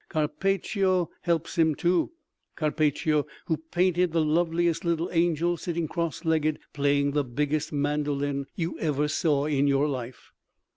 Carpaccio helps him, too—Carpaccio who painted the loveliest little angel sitting cross legged playing the biggest mandolin you ever saw in your life.